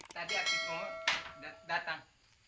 tadi aktifmu datang